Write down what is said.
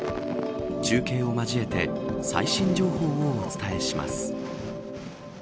中継を交えて最新情報をお伝えします。